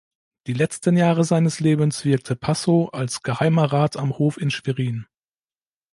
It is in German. Die letzten Jahre seines Lebens wirkte Passow als Geheimer Rat am Hof in Schwerin.